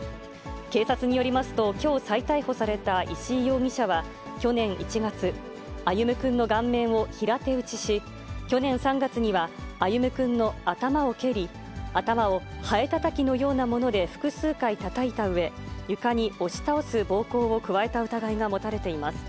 警察によりますと、きょう再逮捕された石井容疑者は、去年１月、歩夢くんの顔面を平手打ちし、去年３月には歩夢くんの頭を蹴り、頭をはえたたきのようなもので複数回たたいたうえ、床に押し倒す暴行を加えた疑いが持たれています。